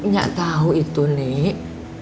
gak tau itu nih